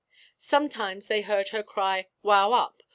Sometimes they heard her cry, 'Wow up!'